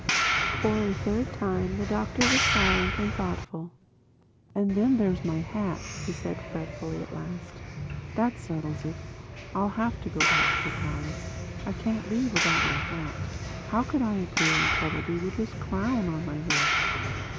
For a third time the Doctor was silent and thoughtful. "And then there's my hat," he said fretfully at last. "That settles it: I'll have to go back to the palace. I can't leave without my hat. How could I appear in Puddleby with this crown on my head?"